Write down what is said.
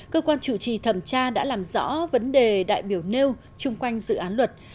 cơ quan chủ trì thẩm tra đã làm rõ vấn đề đại biểu nêu chung quanh dự án luật